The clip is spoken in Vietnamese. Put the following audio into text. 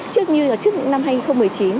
trước những năm hai nghìn một mươi chín